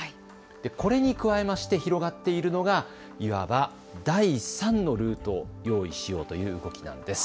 これに加えまして広がっているのがいわば第３のルートを用意しようということなんです。